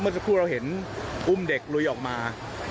สักครู่เราเห็นอุ้มเด็กลุยออกมา